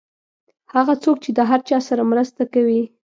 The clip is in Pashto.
هغه څوک چې د هر چا سره مرسته کوي.